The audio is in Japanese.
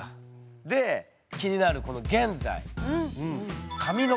で気になるこの「現在」。